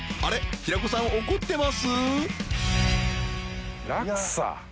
平子さん怒ってます？‥